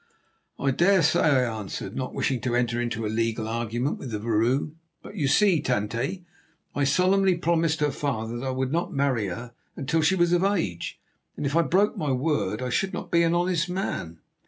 "I dare say," I answered, not wishing to enter into a legal argument with the vrouw. "But you see, Tante, I solemnly promised her father that I would not marry her until she was of age, and if I broke my word I should not be an honest man."